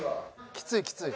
きついきつい。